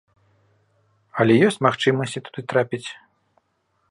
Але ёсць магчымасці туды трапіць.